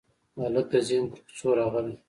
هلک د ذهن پر کوڅو راغلی